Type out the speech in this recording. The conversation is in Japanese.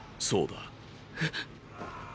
そうだ。え？